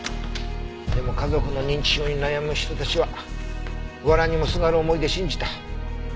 でも家族の認知症に悩む人たちは藁にもすがる思いで信じた。